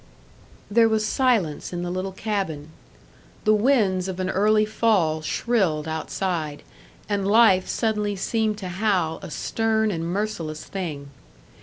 There was silence in the little cabin. The winds of an early fall shrilled outside, and life suddenly seemed to Hal a stern and merciless thing.